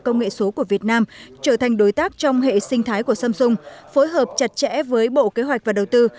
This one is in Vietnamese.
công nghệ số của việt nam trở thành đối tác trong hệ sinh thái của samsung phối hợp chặt chẽ với bộ kế hoạch và đầu tư